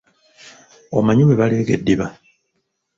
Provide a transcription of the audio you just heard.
Omanyi bwe baleega eddiba?